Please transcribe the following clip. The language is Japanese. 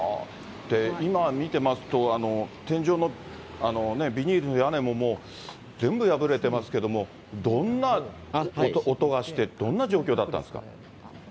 今見てますと、天井のビニールの屋根ももう、全部破れてますけれども、どんな音がして、どんな状況だったんですか。